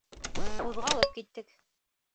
Ҡуҙғалып киттек.